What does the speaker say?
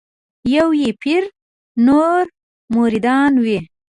یو یې پیر نور مریدان وي